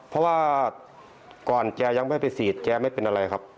เพราะว่าก่อนแกยังไม่ไปฉีดแกไม่เป็นอะไรครับ